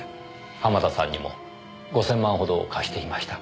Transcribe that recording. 濱田さんにも５０００万ほど貸していました。